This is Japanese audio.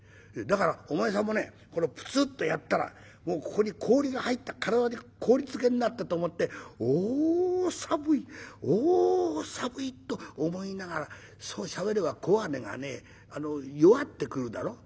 だからお前さんもねプツッとやったらここに氷が入った体に氷漬けになったと思って『おさぶい。おさぶい』と思いながらそうしゃべれば声音がね弱ってくるだろ。